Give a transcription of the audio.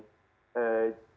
jadi jumlah timnya itu